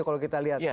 kalau kita lihat